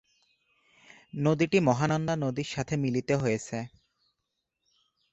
নদীটি মহানন্দা নদীর সঙ্গে মিলিত হয়েছে।